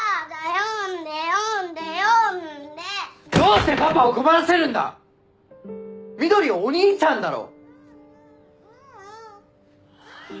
読んで読んで読どうしてパパを困らせるんだ碧はお兄ちゃんだろ！